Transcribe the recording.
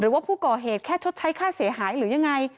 ว่าผู้ก่อเหตุแค่ชดใช้ค่าเสียหายหรือยังไง